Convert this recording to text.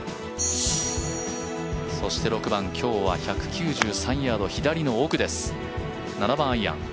そして６番、今日は１９３ヤード、左の奥です。